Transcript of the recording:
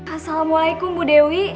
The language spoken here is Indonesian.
assalamualaikum bu dewi